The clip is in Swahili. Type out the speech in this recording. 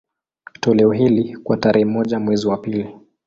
Toleo hili, kwa tarehe moja mwezi wa pili